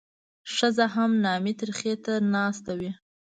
ښځه هم نامي ترخي ته ناسته وي.